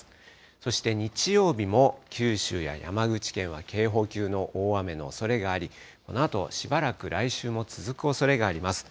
そして日曜日も、九州や山口県は警報級の大雨のおそれがあり、このあとしばらく来週も続くおそれがあります。